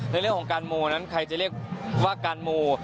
ในเรื่องของการโมนั้นใครจะเรียกว่าการโม